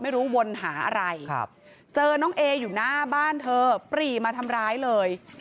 วนหาอะไรเจอน้องเออยู่หน้าบ้านเธอปรีมาทำร้ายเลย